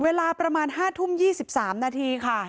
เวลาประมาณ๕ทุ่ม๒๓นาทีค่ะ